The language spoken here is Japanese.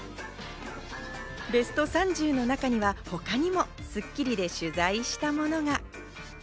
ベスト３０の中には他にも『スッキリ』で取材したものが。